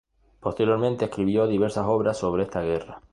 Posteriormente escribió diversas obras sobre esta guerra.